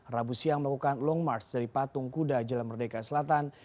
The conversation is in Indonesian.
rabu siang melakukan long march dari patung kuda jalan merdeka selatan